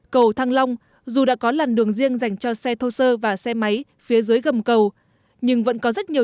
cầu thăng long dù đã có làn đường riêng dành cho xe thô sơ và xe máy phía dưới gầm cầu